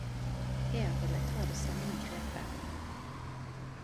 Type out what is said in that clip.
Her vil eg ta det same grepet.